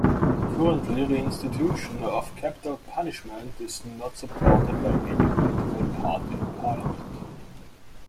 Currently reinstitution of capital punishment is not supported by any political party in Parliament.